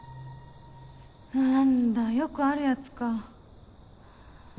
何だよくあるやつか。